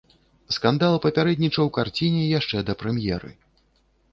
Скандал папярэднічаў карціне яшчэ да прэм'еры.